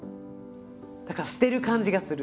だからしてる感じがする。